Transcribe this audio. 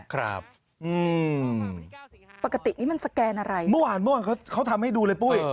ครับอืมปกตินี่มันสแกนอะไรเมื่อวานเมื่อวานเขาทำให้ดูเลยปุ้ย